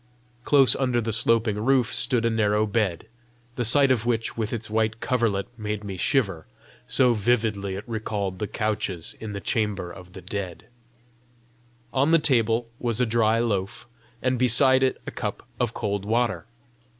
Close under the sloping roof stood a narrow bed, the sight of which with its white coverlet made me shiver, so vividly it recalled the couches in the chamber of death. On the table was a dry loaf, and beside it a cup of cold water.